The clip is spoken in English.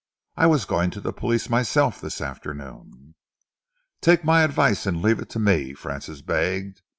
I was going to the police myself this afternoon." "Take my advice and leave it to me," Francis begged.